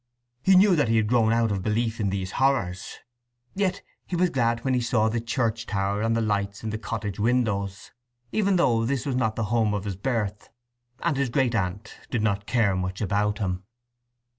He knew that he had grown out of belief in these horrors, yet he was glad when he saw the church tower and the lights in the cottage windows, even though this was not the home of his birth, and his great aunt did not care much about him.